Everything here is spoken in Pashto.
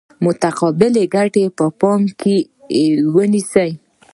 متقابلې ګټې به په پام کې ونیسي.